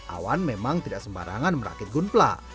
awan memang tidak sembarangan merakit gunpla